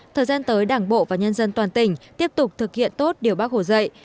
thời gian tới đảng bộ và nhân dân toàn tỉnh tiếp tục thực hiện tốt điều bác hồ dạy